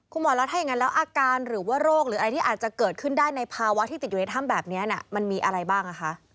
คุณหมอแล้วถ้าอย่างนั้นแล้วอาการหรือว่าโรคหรืออะไรที่อาจจะเกิดขึ้นได้ในภาวะที่ติดอยู่ในถ้ำแบบนี้มันมีอะไรบ้าง